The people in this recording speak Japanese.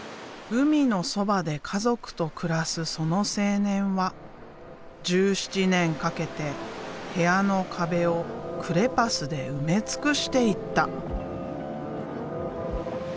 海のそばで家族と暮らすその青年は１７年かけて部屋の壁をクレパスで埋め尽くしていった。